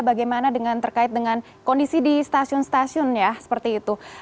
bagaimana terkait dengan kondisi di stasiun stasiun ya seperti itu